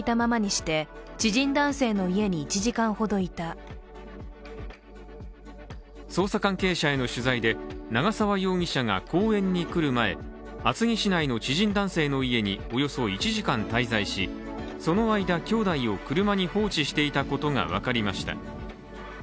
しかし捜査関係者への取材で、長沢容疑者が公園に来る前、厚木市内の知人男性の家におよそ１時間滞在しその間、きょうだいを車に放置していたことが分かりました。